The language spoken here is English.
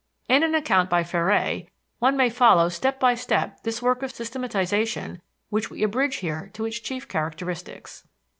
In an account by Féré one may follow step by step this work of systematization which we abridge here to its chief characteristics.